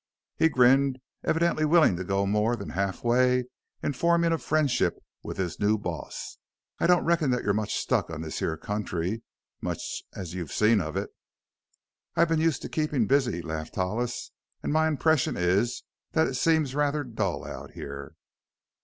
He grinned, evidently willing to go more than half way in forming a friendship with his "new boss". "I don't reckon that you're much stuck on this here country much as you've seen of it?" "I've been used to keeping busy," laughed Hollis, "and my impression is that it seems rather dull out here."